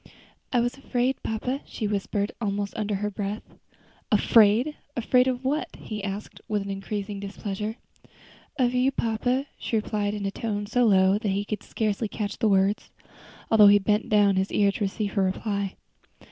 "I was afraid, papa," she whispered, almost under her breath. "Afraid! afraid of what?" he asked, with increasing displeasure. "Of you, papa," she replied, in a tone so low that he could scarcely catch the words, although he bent down his ear to receive her reply.